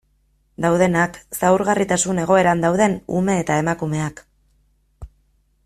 Daudenak, zaurgarritasun egoeran dauden ume eta emakumeak...